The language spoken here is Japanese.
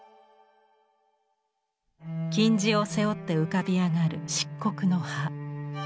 金地を背負って浮かび上がる漆黒の葉。